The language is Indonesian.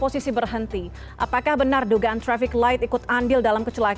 selamat malam mbak